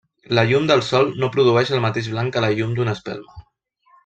La llum del sol no produeix el mateix blanc que la llum d'una espelma.